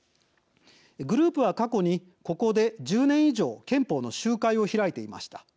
グループは過去にここで１０年以上憲法の集会を開いていました。